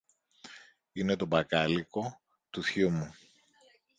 είναι το μπακάλικο του θειού μου